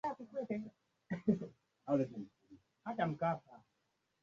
na nchi nzima ilizingatiwa kuwa mali yake